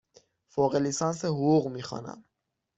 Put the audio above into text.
فوق لیسانس حقوق می خوانم.